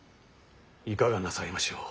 いかがなさいましょう。